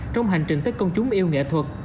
trong hành trình tất công chúng yêu nghệ thuật